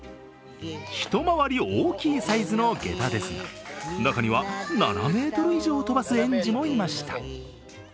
一回り大きいサイズのげたですが中には７ｍ以上飛ばす園児もいました。